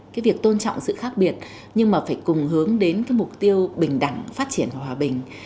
cái việc tôn trọng sự khác biệt nhưng mà phải cùng hướng đến cái mục tiêu bình đẳng phát triển và hòa bình